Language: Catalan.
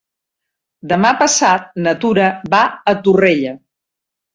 Demà passat na Tura va a Torrella.